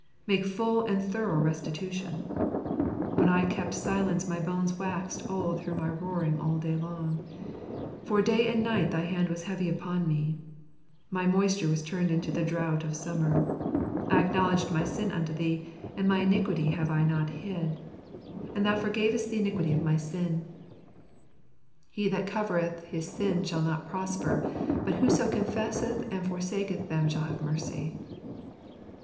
Make full and thorough restitution. " When I kept silence, my bones waxed old through my roaring all the day long ; for day and night thy hand was heavy upon me : my moisture was turned into the drought of summer. I acknowledged my sin unto Thee, and my iniquity have I I not hid. And thou forgavest the iniquity of my sin." ®!re tqr for tttetxg. io 5 " He that covereth his sins shall not prosper ; but whoso confesseth and forsaketh them shall have mercy."